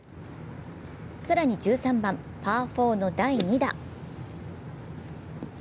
更に１３番、パー４の第２打。